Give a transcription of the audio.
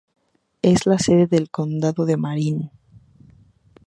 Es la sede del condado de Marin.